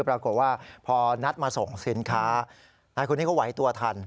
ปรากฏว่าพอนัดมาส่งสินค้านายคนนี้ก็ไหวตัวทัน